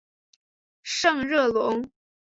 圣热龙。